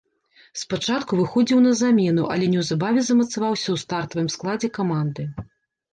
Спачатку выхадзіў на замену, але неўзабаве замацаваўся ў стартавым складзе каманды.